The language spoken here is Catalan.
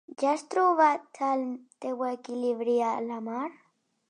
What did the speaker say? Ja has trobat el teu equilibri a la mar?